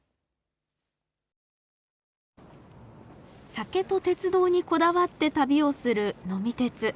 酒と鉄道にこだわって旅をする「呑み鉄」。